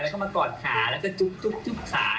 แล้วก็กอดขาแล้วก็จุ๊บจุ๊บสา